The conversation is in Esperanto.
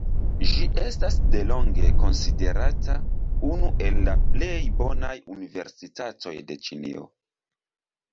Ĝi estas delonge konsiderata unu el la plej bonaj universitatoj en Ĉinio.